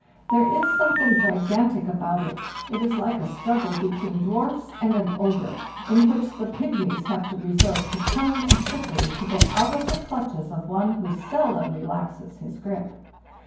There is something gigantic about it; it is like a struggle between dwarfs and an ogre, in which the pygmies have to resort to cunning and trickery to get out of the clutches of one who seldom relaxes his grip.